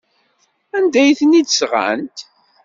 Anda ay ten-id-sɣant?